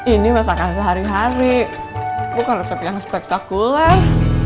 ini masakan sehari hari bukan resep yang spektakuler